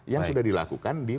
yang sudah dilakukan di